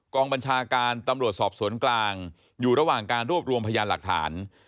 บัญชาการตำรวจสอบสวนกลางอยู่ระหว่างการรวบรวมพยานหลักฐาน